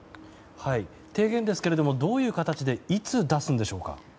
提言ですけれどもどういう形でいつ出すんでしょうか？